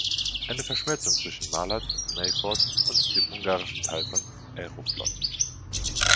Eine Verschmelzung zwischen „Malert“, „Maefort“ und dem ungarischen Teil von „Aeroflot“.